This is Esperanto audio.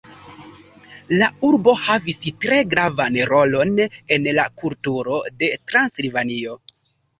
La urbo havis tre gravan rolon en la kulturo de Transilvanio.